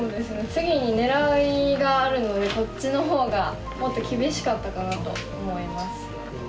次に狙いがあるのでこっちの方がもっと厳しかったかなと思います。